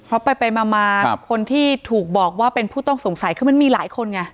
เพราะไปมาคนที่ถูกบอกว่าเป็นผู้ต้องสงสัยคือมันมีหลายคนไง